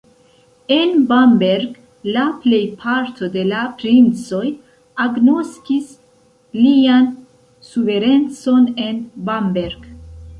En Bamberg la plejparto de la princoj agnoskis lian suverenecon en Bamberg.